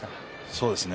そうですね。